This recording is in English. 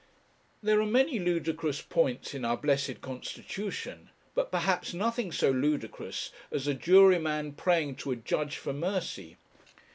There are many ludicrous points in our blessed constitution, but perhaps nothing so ludicrous as a juryman praying to a judge for mercy.